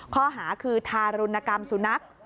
ข้อหาคือทารุณกรรมสุนัข